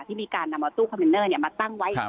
ที่มีการนำมาตู้คอนเทนเนอร์เนี่ยมาตั้งไว้ครับ